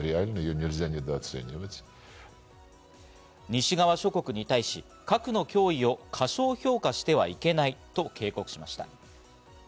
西側諸国に対し、核の脅威を過小評価してはいけないと警告しました。